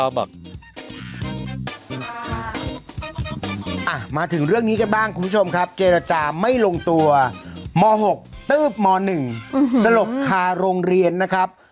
มาถึงเรื่องนี้กันบ้างคุณผู้ชมครับเจรจาไม่ลงตัวม๖ตืบม๑สลบคาโรงเรียนนะครับ